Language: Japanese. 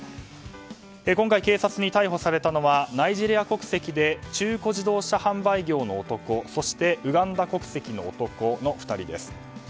今回、警察に逮捕されたのはナイジェリア国籍で中古自動車販売業の男そして、ウガンダ国籍の男の２人です。